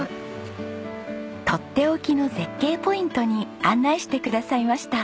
とっておきの絶景ポイントに案内してくださいました。